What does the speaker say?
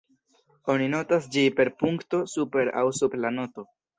Oni notas ĝi per punkto super aŭ sub la noto.